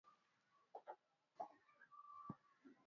Ikijumuisha utaratibu kama vile Kamati ya Vyombo vya Habari ya Chama